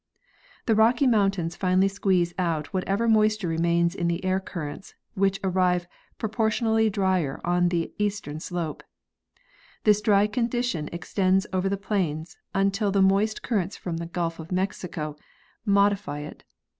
"The Rocky mountains finally squeeze out whatever moisture remains in the air currents, which arrive proportionally drier on the eastern slope. This dry condition extends over the plains until the moist currents from the gulf of Mexico modify 138 B. E. Fernow—The Battle of the Forest. it.